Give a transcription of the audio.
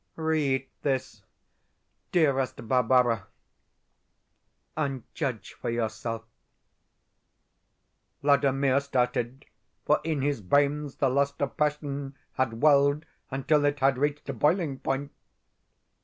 Read this, dearest Barbara, and judge for yourself: "Vladimir started, for in his veins the lust of passion had welled until it had reached boiling point.